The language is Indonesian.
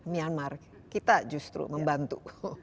myanmar kita justru membantu